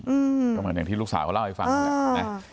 อืมอืมก็เหมือนอย่างที่ลูกสาวเขาเล่าให้ฟังด้วย